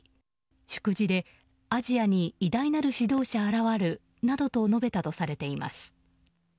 祝辞で、アジアに偉大なる指導者現るなどと述べたとされています。